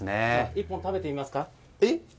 １本食べてみますか？